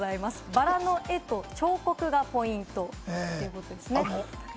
バラの絵と彫刻がポイントということです。